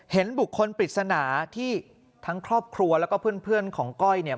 เห็นบุคคลปริศนาที่ทั้งครอบครัวแล้วก็เพื่อนของก้อยเนี่ย